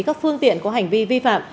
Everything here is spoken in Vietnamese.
các phương tiện có hành vi vi phạm